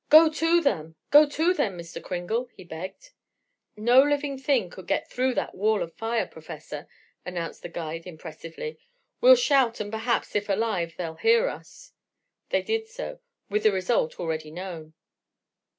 "Go to them, go to them, Mr. Kringle!" he begged. "No living thing could get through that wall of fire, Professor," announced the guide impressively. "We'll shout and perhaps, if alive, they'll bear us." They did so, with the result already known.